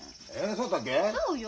そうよ。